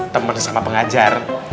temen sama pengajar